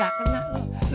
gak kena lo